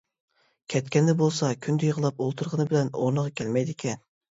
كەتكەندە بولسا كۈندە يىغلاپ ئولتۇرغىنى بىلەن ئورنىغا كەلمەيدىكەن.